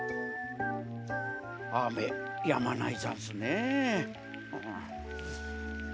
あめやまないざんすねえ。